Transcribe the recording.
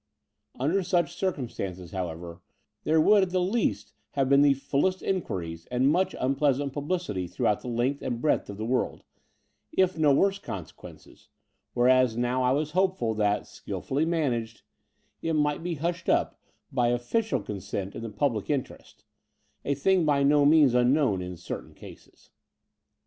Under such circum stances, however, there would at the least have * been the fullest inquiries and much unpleasant publicity throughout the length and breadth of the world, if no worse consequences, whereas now I was hopeful that, skilfully managed, it might be 14 209 210 The DcxM* of the Unreal hushed up by oflScial consent in the public interest —a thing by no means unknown in certain cases.